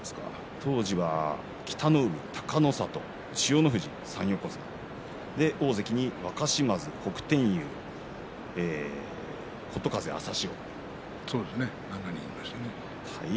当時は北の湖、隆の里千代の富士北の富士の３横綱大関に若嶋津、北天佑琴風、朝潮。